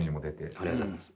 ありがとうございます。